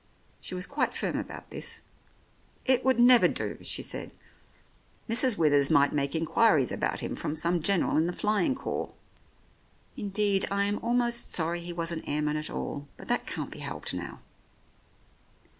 She was quite firm about this. "It would never do," she said. "Mrs. Withers might make inquiries about him from some General in the Flying Corps. Indeed, I am almost sorry he was an airman at all, but that can't be helped now."